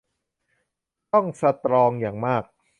ต้องสตรองอย่างมาก